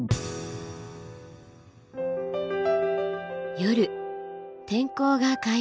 夜天候が回復。